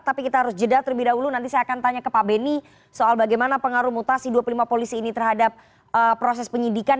tapi kita harus jeda terlebih dahulu nanti saya akan tanya ke pak beni soal bagaimana pengaruh mutasi dua puluh lima polisi ini terhadap proses penyidikan